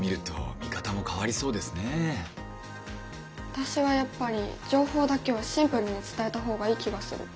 私はやっぱり情報だけをシンプルに伝えた方がいい気がする。